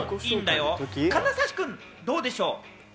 金指君、どうでしょう？